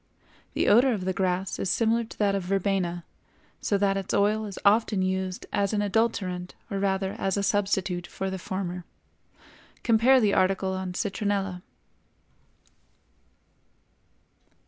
The odor of the grass is similar to that of verbena, so that its oil is often used as an adulterant or rather as a substitute for the former. (Compare the article on "Citronella.")